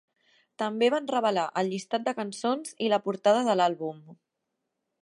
També van revelar el llistat de cançons i la portada de l'àlbum.